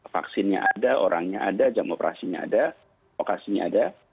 vaksinnya ada orangnya ada jam operasinya ada vokasinya ada